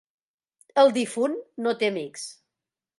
El difunt no té amics.